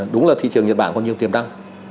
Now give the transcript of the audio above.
đúng là thị trường nhật bản có nhiều tiềm năng